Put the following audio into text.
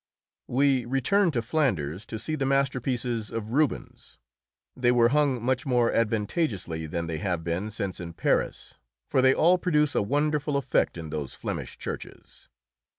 We returned to Flanders to see the masterpieces of Rubens. They were hung much more advantageously than they have been since in Paris, for they all produce a wonderful effect in those Flemish churches.